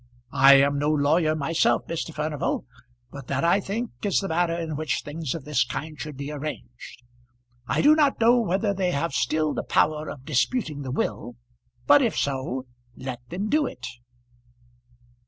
I am no lawyer myself, Mr. Furnival, but that I think is the manner in which things of this kind should be arranged. I do not know whether they have still the power of disputing the will, but if so, let them do it."